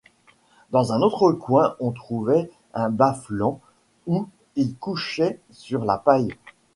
Dans un autre coin on trouvait un bat-flanc où ils couchaient sur la paille.